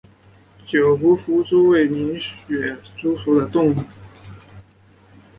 九湖弗蛛为皿蛛科弗蛛属的动物。